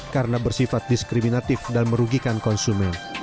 karena bersifat diskriminatif dan merugikan konsumen